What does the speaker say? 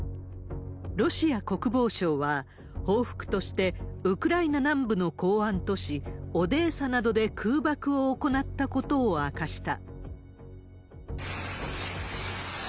ロシア国防省は、報復として、ウクライナ南部の港湾都市、オデーサなどで空爆を行ったことを明かした。